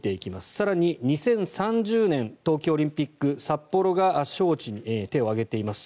更に２０３０年冬季オリンピック札幌が招致に手を挙げています。